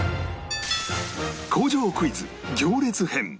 工場クイズ行列編